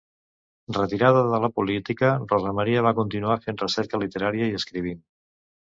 Retirada de la política, Rosa Maria va continuar fent recerca literària i escrivint.